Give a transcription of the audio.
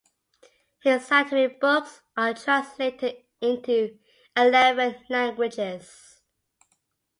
His scientific books are translated into eleven languages.